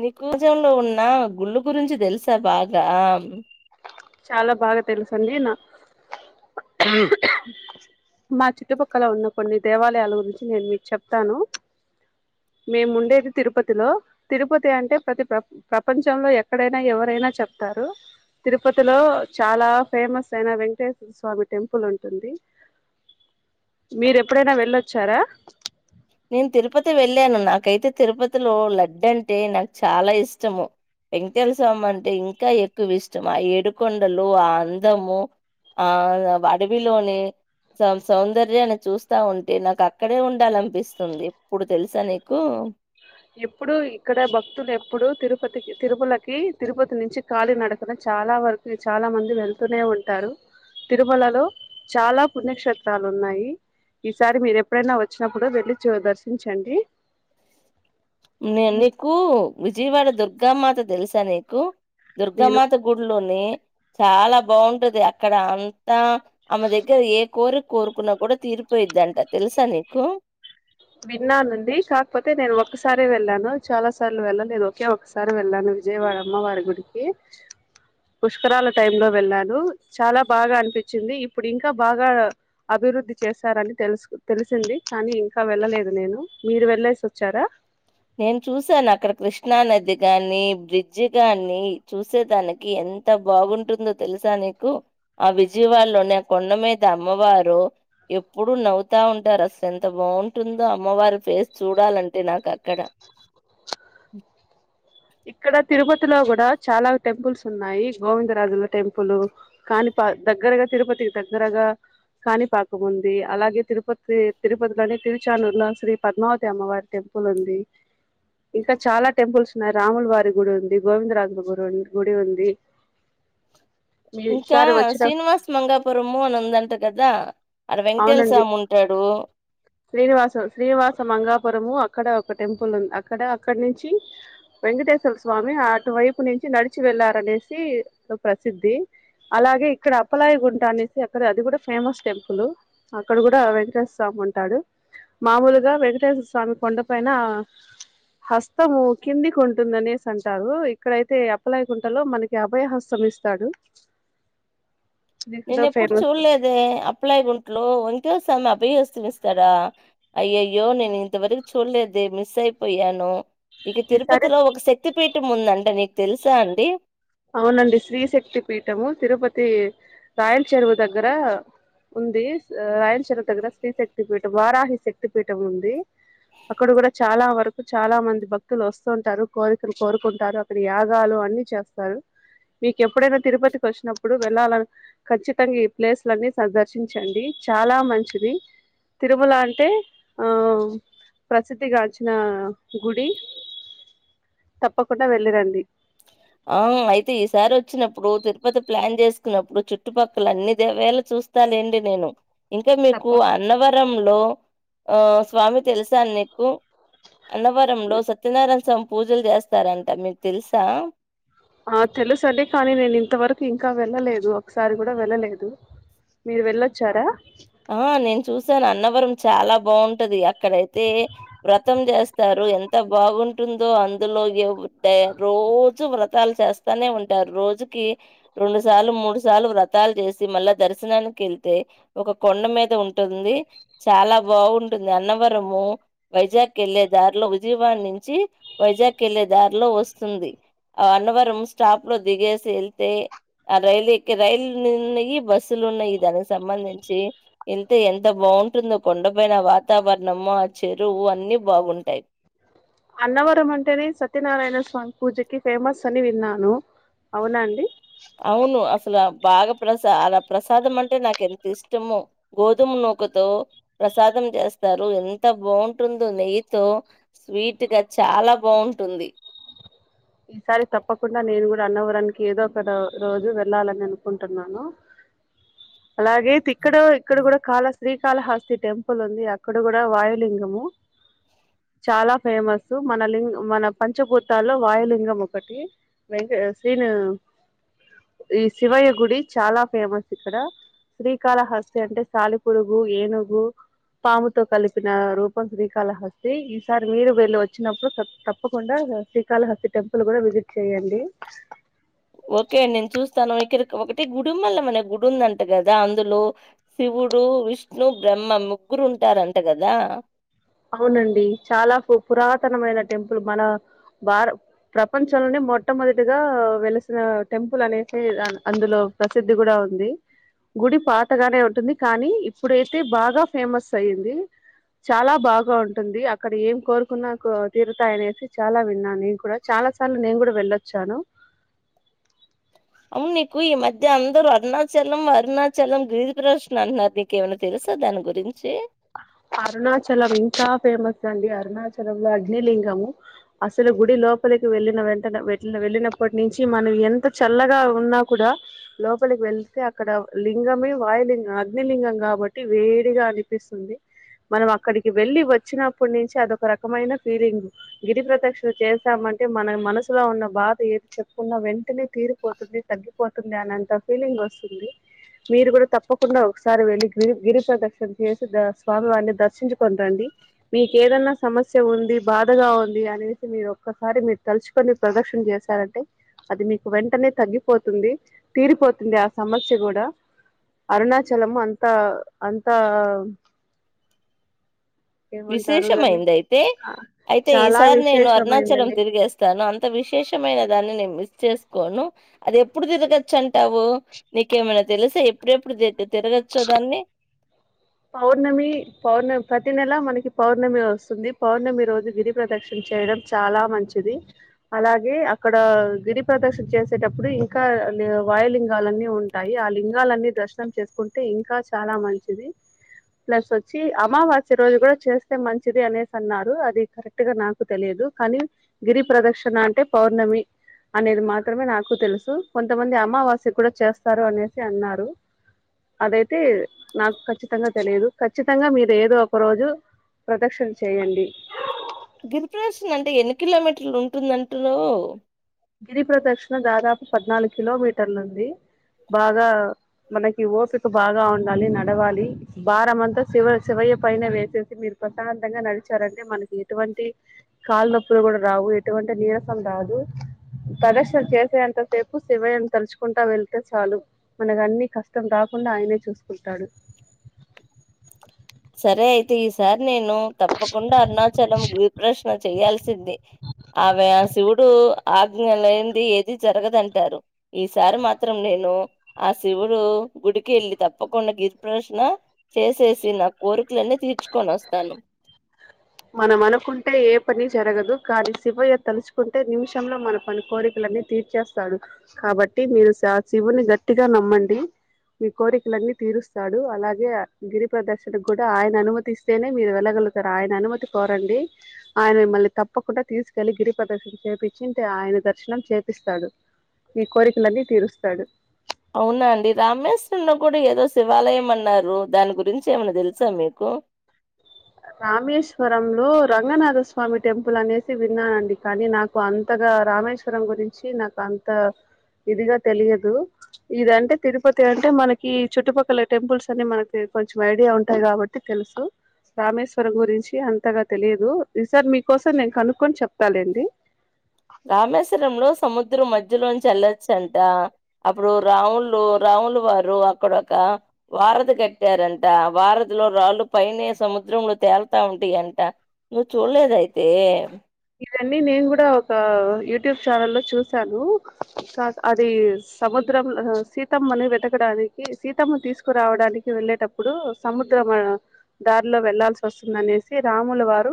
నీ కూజన్ లో ఉన్నా గుళ్ళు గురించి తెలుసా బాగా చాలా బాగా తెలుసు అండి నా మా చుట్టుపక్కల ఉన్న కొన్ని దేవాలయాల గురించి నేను మీకు చెప్తాను మేము ఉండేది తిరుపతిలో తిరుపతి అంటే ప్రతి ప్ర ప్రపంచ చంలో ఎక్కడైనా ఎవరైనా చెప్తారు తిరుపతిలో చాలా ఫేమస్ అయిన వెంకటేశ్వర స్వామి టెంపుల్ ఉంటుంది మీరు ఎప్పుడైనా వెళ్ళొచ్చారా నేను తిరుపతి వెళ్ళాను నాకైతే తిరుపతిలో లడ్డంటే నాకు చాలా ఇష్టము వెంకటేశ స్వామి అంటే ఇంకా ఎక్కువ ఇష్టం ఆ ఏడుకొండలు ఆ అందము ఆ అడవిలోని సౌ సౌందర్యాన్ని చూస్తా ఉంటే నాకు అక్కడే ఉండాలనిపిస్ స్తుంది ఎప్పుడు తెలుసా నీకు ఎప్పుడు ఇక్కడ భక్తులు ఎప్పుడు తిరుపతి కి తిరుమలకి తిరుపతి నుంచి ఖాళీ నడకన చాలా వరకు చాలా మంది వెళ్తూనే ఉంటారు తిరుమలలో చాలా పుణ్యక్షేత్రాలు ఉన్నాయి ఈసారి మీరు ఎప్పుడైనా వచ్చినప్పుడు వెళ్ళి చు దర్శించండి నే ఇం నీకు విజయవాడ దుర్గామాత తెలుసా నీకు నేను దుర్గామాత గుడిలోనే చాలా బాగుంటది అక్కడ అంతా ఆమె దగ్గర ఏ కోరిక కోరుకున్నా కూడా తీరిపోయిదన్ విన్నానండి కాకపోతే నేను ఒక్కసారే వెళ్ళాను చాలా సార్లు వెళ్ళలేదు ఒకే ఒకసారి వెళ్లాను విజయవాడ అమ్మ వారి గుడికి పుష్కరాల టైం లో వెళ్ళాను చాలా బాగా అనిపించింది ఇప్పుడు ఇంకా బాగా అభివృద్ధి చేశారని తెలుసుకు తెలిసింది కానీ ఇంకా వెళ్ళలేదు నేను మీరు వెళ్లేేసి వచ్చారా నేను చూసాను అక్కడ కృష్ణా నది కాని బ్రిడ్జి గాని చూసే దానికి ఎంత బాగుంటుందో తెలుసా నీకు ఆ విజయవాడలోనే ఆ కొండ మీద అమ్మవారు ఎప్పుడు నవ్వుతా ఉంటారు అసలు ఎంత బాగుంటుందో అమ్మవారు ఫేస్ చూడాలంటే నాకు అ క్కడ ఇక్కడ తిరుపతిలో కూడా చాలా టెంపుల్స్ ఉన్నాయి గోవిందరాజుల టెంపుల్ కాణిపా దగ్గరగా తిరుపతికి దగ్గరగా కాణిపాకం ఉంది అలాగే తిరుపతి తిరుపతిలోని తిరుచానూరులో శ్రీ పద్మావతి అమ్మవారి టెంపుల్ ఉంది ఇంకా చాలా టెంపుల్స్ ఉన్నాయి రాములు వారి గుడి ఉంది గోవిందరాజుల గుడి గుడి ఉంది ఇంకా మీసారి వచ్చిన శ్రీనివాస్ మంగాపురము అని ఉందంట కదా అడ వెంకటేశ అవునండి స్వామి ఉంటాడు శ్రీనివాసం శ్రీనివాస మంగాపురము అక్కడ ఒక టెంపుల్ ఉంది అక్కడ అక్కడ నుంచి వెంకటేశ్వర స్వామి అటువైపు నుంచి నడిచి వెళ్లారనేసి ప్రసిద్ధి అలాగే ఇక్కడ అప్పలాయి గుంట అనేసి అక్కడ అది కూడా ఫేమస్ టెంపుల్ అక్కడ కూడా వెంకటేశ్వర స్వామి ఉం టాడు మామూలుగా వెంకటేశ్వర స్వామి కొండ పైన హస్తము కింది కొంటుందనేసి అంటారు ఇక్కడైతే అప్పలాయకుంటలో మనకి అభయ హస్తం ఇస్తాడు నేను ఇక్కడో ఎప్పుడు ఫేమస్ చూడలేదే అప్పాలయ గుంట్లో వెంకటేశ స్వామి అభయ హస్ సం ఇస్తాడా అయ్యయ్యో నేను ఇంతవరకు చూడలేదు మిస్ అయిపోయాను ఇక ఈసారి తిరుపతిలో ఒక శక్తి పీఠం ఉందంట తెలుసా అండి అవునండి శ్రీశక్తి పీఠము తిరుపతి రాయలచరువు దగ్గర ఉంది రాయలచరువు దగ్గర శ్రీశక్తి పీఠం వారాహి శక్తి పీఠం ఉంది అక్కడ కూడా చాలా వరకు చాలా మంది భక్తులు వస్తుంటారు కోరికలు కోరుకుంటారు అక్కడ యాగాలు అన్ని చేస్త కల్ మీక్ ఎప్పుడైన తిరుపతికి ఒచ్చినప్పుడు వెళ్ళాలన్ ఖచ్చితంగ్ ఈ ప్లేస్లన్నీ సర్ దర్శించండి చాలా మంచిది తిరుమల అంటే ఆ ప్రసిద్ధిగాంచిన గుడి తప్పకుండా వెళ్ళిరండి ఆ అయితే ఈసారి ఒచ్చినప్పుడు తిరుపతి ప్లాన్ చేసుకున్నప్పుడు చుట్టుపక్కల అన్ని దేవ్యాలు చూస్తాలేండి నేను ఇంకా మీకు అన్నవరం లో ఆ స్వామి తెల్సా నీకు అన్నవరంలో సత్యనారాయణ సామ్ పూజలు చేస్తారంట మీకు తెల్స్ తా ఆ తెలుసు అండి కానీ నేను ఇంతవరకు ఇంకా వెళ్ళలేదు ఒకసారి కూడా వెళ్ళలేదు మీరు వెళ్ళొచ్చారా ఆ నేన్ చూస్ చానా అన్నవరం చాలా బావుంటది అక్కడైతే వ్రతం జేస్తారు ఎంత బాగుంటుందో అందులో ఏవు టయర్ రోజు వ్రతాలు చేస్తానే ఉంటారు రోజుకి రొండు సార్లు మూడు సార్లు వ్రతాలు చేసి మళ్ళా దర్శనానికి ఎళ్తే ఒక కొండ మీద ఉంటుంది చాలా బాగుంటుంది అన్నవరము వైజాగ్ ఎళ్ళే దారిలో విజయవాడ్ నించి వైజాగ్ ఎళ్ళే దారిలో ఒస్తుంది ఆ అన్నవరం స్టాప్ లో దిగేసి ఎళ్తే ఆ రైల్ ఎక్కే రైలు నున్నాయి బస్సులు ఉన్నాయి దానికి సంబంధించి. ఎంత ఎంత బావుంటుందో కొండపయిన వాతావరణము ఆ చెరువు అన్ని బాగుంటాయి. అన్నవరం అంటేనే సత్యనారాయణ స్వామి పూజకి ఫేమస్ అని విన్నాను అవునా అండి అవును అసల్ ఆ బాగా ప్రసారా ప్రసాదం అంటే నాకెంత్ ఇష్టమో గోధుమ్ నూకతో ప్రసాదం చేస్తారు ఎంత బాంటుందో నెయ్యితో స్వీట్గా చాలా బావుంటుంది. ఈసారి తప్పకుండా నేను గుడ అన్నవరానికి ఏదో ఒక దా రోజు వెళ్ళాలని అనుకుంటన్నాను. అలాగే తిక్కడో ఇక్కడ గుడ కాలస్ శ్రీకాళహస్తి టెంపుల్ ఉంది అక్కడ గుడ వాయులింగము చాలా ఫేమస్ మన లింగ్ మన పంచభూతాల్లో వాయులింగం ఒకటి వెంకేస్ శ్రీని ఈ శివయ్య గుడి చాలా ఫేమస్ ఇక్కడ శ్రీకాళహస్తి అంటే సాలిపురుగు ఏనుగు పాముతో కలిపిన రూపం శ్రీకాళహస్తి ఈసారి మీరు వెళ్ళి ఒచ్చినప్పుడు తప్ తప్పకుండా హా శ్రీకాళహస్తి టెమ్ పుల్ గుడ విజిట్ చెయ్యండి ఓకే నేన్ చూస్తాను ఇక్కడిక్ ఒకటి గుడుమల్లమనే గుడుందంట గదా అందులో శివుడు విష్ణు బ్రమ్మ ముగ్గురు ఉంటారంట గదా అవునండి చాలా పు పురాతనమైన టెంపుల్ మన భార ప్రపంచంలొనే మొట్టమొదటిగా వెలిసిన టెంపుల్ అనేసే అన్ అందులో ప్రసిద్ధి గుడా ఉంది గుడి పాతగానే ఉంటుంది కానీ ఇప్పుడైతే బాగా ఫేమస్ అయ్యింది చాలా బాగా ఉంటుంది అక్కడ ఏం కోరుకున్నా కో తీరుతాయి అనేసి చాలా విన్నా నీన్ కూడ చాలా సార్లు నేన్ గుడ వెళ్ళొచ్చాను అవున్ నీకు ఈ మధ్య అందరూ అరుణాచలం అరుణాచలం గిరి ప్రదశ్న అంటన్నారు నీకేమన్న తెలుసా దాని గురించి అరుణాచలం ఇంకా ఫేమస్ అండి అరుణాచలంలో అగ్నిలింగము అసల్ గుడి లోపలికి వెళ్ళిన వెంటనే వెట్లు వెళ్ళినప్పట్ నించి మనం ఎంత చల్లగా ఉన్నా కుడా లోపలికి వెళ్తే అక్కడ లింగమే వాయులింగ్ అగ్నిలింగం కాబట్టి వేడిగా అని పిస్తుంది మనం అక్కడికి వెళ్ళి ఒచ్చినప్పుడ్ నించి అదొక రకమైన ఫీలింగ్ గిరి ప్రదక్షణ చేశామంటే మన మనసులో ఉన్న బాధ ఏద్ చప్పుకున్నా వెంటనే తీరిపోతుంది తగ్గిపోతుంది అన్నంత ఫీలింగ్ ఒస్తుంది మీరు గుడ తప్పకుండా ఒకసారి వెళ్ళి గిరి గిరి ప్రదక్షణ చేసి దర్ స్వామివారిని దర్శించు కొంరండి మీక్ ఏదన్నా సమస్య ఉంది బాధగా ఉంది అనేసి మీరు ఒక్కసారి మీర్ తలుచుకొని ప్రదక్షణ చేశారంటే అది మీకు వెంటనే తగ్గిపోతుంది తీరిపోతుంది ఆ సమస్య గూడా అరుణాచలం అంత అంతా అ విశేషమైంది అయితే అయితే చాలా ఈసారి నేను అరుణాచలం విశేషమైందండి తిరిగేస్తాను అంత్ అంత విశేషమైన దాన్ని నేన్ మిస్ చేసుకోను అది ఎప్పుడు తిరగచ్చు అంటావు నీకేమైనా తెలిసే ఎప్పుడెప్పుడు దేట్ తిరగచ్చో దాన్ని పౌర్ణమి పౌర్ణమ్ ప్రతి నెల మనకి పౌర్ణమి ఒస్తుంది పౌర్ణమి రోజు గిరి ప్రదక్షణ చేయడం చాలా మంచిది అలాగే అక్కడ గిరి ప్రదక్షణ చేసేటప్పుడు ఇంకా లే వాయు లింగాలన్నీ ఉంటాయి ఆ లింగాలన్నీ దర్శనం చేసుకుంటే ఇంకా చాలా మంచిది ప్లస్ ఒచ్చి అమావాస్య రోజు కుడ చేస్తే మంచిది అనేసి అన్నారు అది కరెక్ట్ గా నాకు తెలియదు కానీ గిరి ప్రదక్షణ అంటే పౌర్ణమి అనేది మాత్రమే నాకు తెలుసు కొంతమంది అమావాస్య కుడ చేస్తారు అనేసి అన్నారు అదైతే నాకు ఖచ్చిత్ తంగా తెలీదు ఖచ్చితంగా మీర్ ఏదో ఒక రోజు ప్రదక్షణ చెయ్యండి గిరిప్రదర్శన అంటే ఎన్ని కిలోమీటర్లు ఉంటుందంటున్నావ్ గిరి ప్రదక్షణ దాదాపు పద్నాలుగ్ కిలోమీటర్లు ఉంది బాగా మనకి ఓపిక బాగా ఉండాలి నడవాలి భారం అంతా శివ శివయ్య పైన వేసేసి మీరు ప్రశాంతంగా నడిచారంటే మనకి ఎటువంటి కాళ్ నొప్పులు గుడా రావు ఎటువంటి నీరసం రాదు ప్రదక్షణ చేసే అంత సేపు శివయ్యని తలుచుకుంటా వెళ్తే చాలు మనకు అన్ని కష్టం కాకుండా ఆయనే చూసుకుంటాడు సరే అయితే ఈసార్ నేను తప్పకుండా అరుణాచలం గిర్ ప్రక్షణ చేయాల్సిందే ఆమె ఆ శివుడూ ఆజ్ఞలేంది ఏది జరగదంటారు ఈసారి మాత్రం నేను ఆ శివుడు గుడికి ఎళ్ళి తప్పకుండా గిరిప్రదర్క్షణ చేసేసి నాక్ కోరుక్లన్నీ తీర్చుకొన్ ఒస్తాను మనం అనుకుంటే ఏ పని జరగదు కానీ శివయ్య తలుచుకుంటే నిమిషంలో మన పని కోరికలన్నీ తీర్చేస్తాడు కాబట్టి మీరు శివుని గట్టిగా నమ్మండి మీ కోరికలన్నీ తీరుస్తాడు అలాగే గిరి ప్రదర్శనకు కూడా ఆయన అనుమతి ఇస్తేనే మీరు వెళ్ళగలుగుతారు ఆయన అనుమతి కోరండి ఆయన మిమ్మల్ని తప్పకుండా తీసుకెల్లి గిరిప్రదక్షిణ చేయిచ్చి ఆయన దర్శనం చేపిస్తాడు మీ కోరికలన్నీ తీరుస్తాడు అవునా అండి రామేశ్వరంలో కూడా ఏదో శివాలయం అన్నారు దాని గురించి ఏమైన తెలుసా మీకు రామేశ్వరంలో రంగనాథ స్వామి టెంపుల్ అనేసి విన్నానండి కానీ నాకు అంతగా రామేశ్వరం గురించి నాకు అంత ఇదిగా తెలియదు ఇదంటే తిరుపతి అంటే మనకి చుట్టుపక్కల టెంపుల్స్ అన్ని మనకి కొంచెం ఐడియా ఉంటాయి కాబట్టి తెలుసు రామేశ్వరం గురించి అంతగా తెలియదు ఈ సారి మీకోసం నేను కనుక్కొని చెప్తాలేండి సముద్ర మధ్యలోంచి వెల్లొచ్చంట అప్పుడు రాముళ్ళు రాములు వారు అక్కడ ఒక వారధి కట్టారంట వారధిలో రాళ్ళు పైనే సముద్రంలో తేలుతా ఉంటాయ అంట నువ్వు చూడలేద అయితే ఇవన్నీ నేను కూడా ఒక యూట్యూబ్ ఛానల్ లో చూశాను అది సముద్రం సీతమ్మను వెతకడానికి సీతమ్మ తీసుకురావడానికి వెళ్ళేటప్పుడు సముద్రం దారిలో వెళ్లాల్సి వస్తుందనేసి రాముల వారు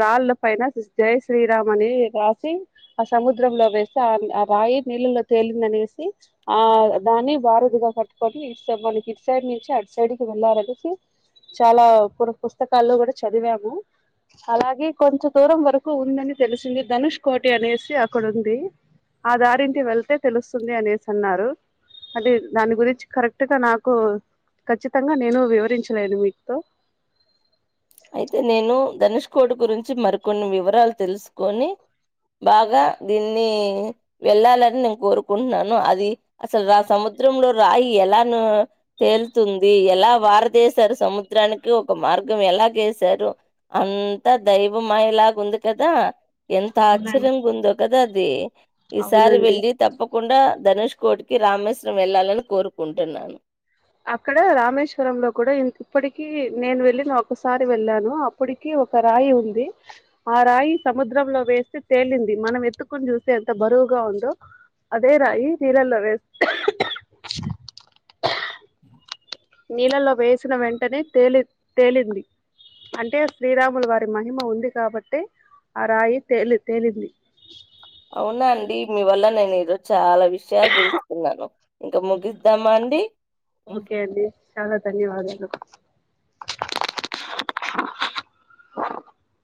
రాళ్ళ పైన జయ్ శ్రీరామ్ అని రాసి ఆ సముద్రంలో వేసి ఆ ఆ రాయి నీళ్ళలో తేలిందనేసి ఆ దాన్ని వారదిగా కట్టుకొని మనకి ఇటు సైడ్ నుంచి అటు సైడ్కి వెళ్ళారనేసి చాలా పుర పుస్తకాల్లో కూడా చదివాము అలాగే కొంచె దూరం వరకు ఉందని తెలిసింది ధనుష్ కోటి అనేసి అక్కడ ఉంది ఆ దారింటి వెళ్తే తెలుస్తుంది అనేసి అన్నారు అంటే దాని గురించి కరెక్ట్గా నాకు ఖచ్చితంగా నేను వివరించలేను మీతో అయితే నేను ధనుష్ కోట్ గురించి మరికొన్ని వివరాలు తెలుసుకొని బాగా దీన్ని వెళ్ళాలని నేను కోరుకుంటున్నాను అది అసలు ఆ సముద్రంలో రాయి ఎలా తేలుతుంది ఎలా వారదేశారు సముద్రానికి ఒక మార్గం ఎలా చేసారు అంతా దైవ మాయలాగ ఉంది కదా ఎంత అవునండి ఆశ్చర్యంగా ఉందో కదా అది ఈసారి అవునండి వెళ్లి తప్పకు కుండా ధనుష్ కోటికి రామేశ్వరం వెళ్ళాలని కోరుకుంటున్నాను అక్కడ రామేశ్వరంలో కూడా ఇప్పటికి నేను వెళ్లిన ఒకసారి వెళ్ళాను అప్పటికి ఒక రాయి ఉంది ఆ రాయి సముద్రంలో వేస్తే తేలింది మనం ఎత్తుకుని చూస్తే ఎంత బరువుగా ఉందో అదే రాయి నీళ్ళల్లో వేస్తే అ నీళ్ళల్లో వేసిన వెంటనే తేలి తేలింది అంటే శ్రీరాములు వారి మహిమ ఉంది కాబట్టే ఆ రాయి తేలి తేలింది అవునా అండి మీ వల్ల నేను ఈరోజు చాలా విషయాలు తెలుసుకున్నాను ఇంకా ముగిద్దామా అండి ఓకే అండి చాలా ధన్యవాదాలు [inaudible]